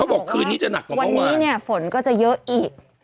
ว่าวันนี้นี่ฝนก็จะเยอะอีกนะคะ